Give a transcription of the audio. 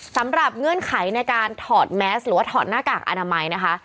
เงื่อนไขในการถอดแมสหรือว่าถอดหน้ากากอนามัยนะคะ